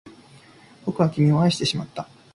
僕は君を愛してしまった